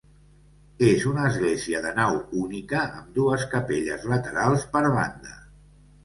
És una església de nau única amb dues capelles laterals per banda.